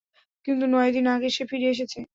কিন্তু নয় দিন আগে সে ফিরে এসেছে।